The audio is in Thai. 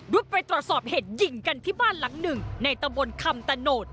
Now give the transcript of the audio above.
รุดไปตรวจสอบเหตุยิงกันที่บ้านหลังหนึ่งในตำบลคำตะโนธ